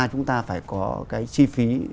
chúng ta phải có cái chi phí